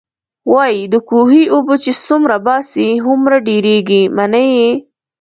وايي د کوهي اوبه چې څومره باسې، هومره ډېرېږئ. منئ يې؟